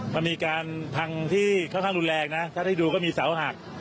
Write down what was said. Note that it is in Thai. มันมีการพังที่ค่อนข้างรุนแรงนะถ้าได้ดูก็มีเสาหัก